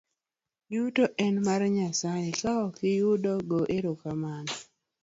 Yuto en mar Nyasaye, ka okiyudo go ero kamano.